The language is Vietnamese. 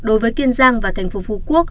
đối với kiên giang và thành phố phú quốc